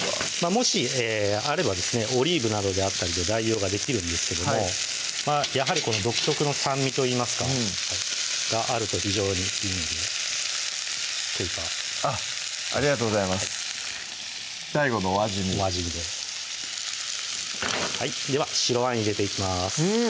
もしあればですねオリーブなどであったりで代用ができるんですけどもやはりこの独特の酸味といいますかがあると非常にいいのでケイパーあっありがとうございますＤＡＩＧＯのお味見お味見ででは白ワイン入れていきますうん！